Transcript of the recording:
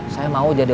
saya mau jadi